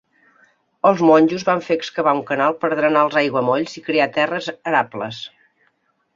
Els monjos van fer excavar un canal per drenar els aiguamolls i crear terres arables.